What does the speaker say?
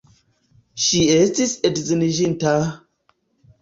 Ŝi estis edziniĝinta!